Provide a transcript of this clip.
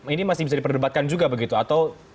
ini masih bisa diperdebatkan juga begitu atau